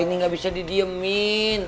ini gak bisa didiemin